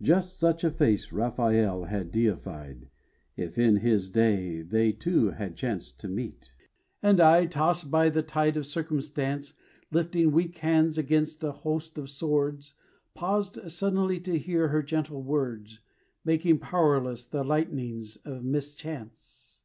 Just such a face Raphael had deified, If in his day they two had chanced to meet. And I, tossed by the tide of circumstance, Lifting weak hands against a host of swords, Paused suddenly to hear her gentle words Making powerless the lightnings of mischance.